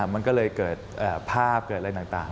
มันก็เลยเกิดภาพเกิดอะไรต่าง